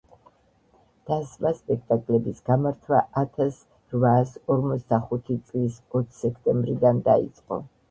დასმა სპექტაკლების გამართვა ათას რვაასორმოცდახუთი წლის ოც სექტემბრიდან დაიწყო.